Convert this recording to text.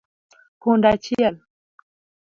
Punda achiel